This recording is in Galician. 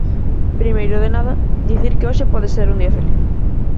Primeiro de nada, dicir que hoxe pode ser un día feliz.